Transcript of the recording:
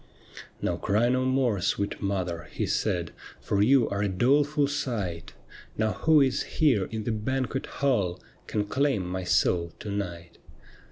' Now cry no more, sweet mother,' he said, ' For you are a doleful sight. Now who is here in the banquet hall Can claim my soul to night